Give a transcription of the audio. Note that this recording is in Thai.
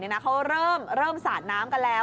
เขาเริ่มสาดน้ำกันแล้ว